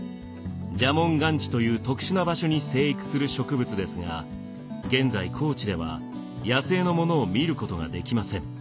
蛇紋岩地という特殊な場所に生育する植物ですが現在高知では野生のものを見ることができません。